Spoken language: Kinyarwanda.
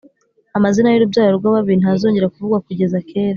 Amazina y’urubyaro rw’ababi ntazongera kuvugwa kugeza kera